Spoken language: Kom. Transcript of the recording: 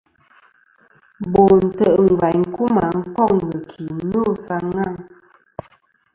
Bo ntè' ngvaynkuma koŋ ghɨki no sa ghaŋ.